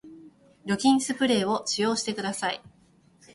除菌スプレーを使用してください